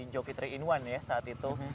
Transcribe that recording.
joki tiga in satu ya saat itu